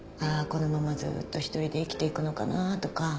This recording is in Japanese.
このままずっと一人で生きていくのかなとか。